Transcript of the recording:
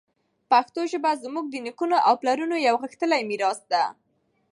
پښتو ژبه زموږ د نیکونو او پلارونو یوه غښتلې میراث ده.